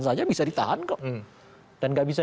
saja bisa ditahan kok dan nggak bisa